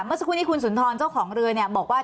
เมื่อสักครู่นี้คุณสุนทรเจ้าของเรือเนี่ยบอกว่า